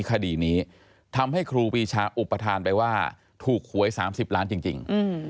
คดีนี้ทำให้ครูปีชาอุปทานไปว่าถูกหวย๓๐ล้านจริง